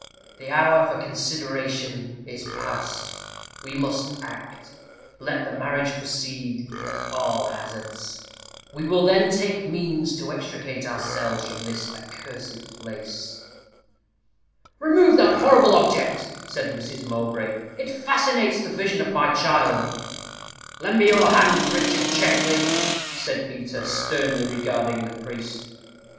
"The hour for consideration is past. We must act. Let the marriage proceed, at all hazards; we will then take means to extricate ourselves from this accursed place." "Remove that horrible object," said Mrs. Mowbray; "it fascinates the vision of my child." "Lend me your hand, Richard Checkley," said Peter, sternly regarding the priest.